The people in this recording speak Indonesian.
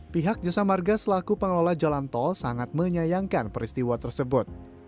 pihak jasa marga selaku pengelola jalan tol sangat menyayangkan peristiwa tersebut